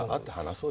そう？